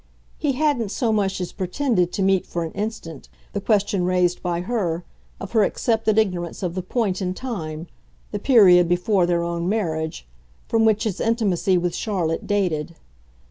He hadn't so much as pretended to meet for an instant the question raised by her of her accepted ignorance of the point in time, the period before their own marriage, from which his intimacy with Charlotte dated.